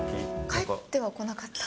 返ってはこなかった。